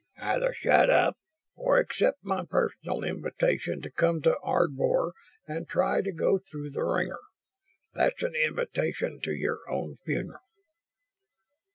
"Either shut up or accept my personal invitation to come to Ardvor and try to go through the wringer. That's an invitation to your own funeral."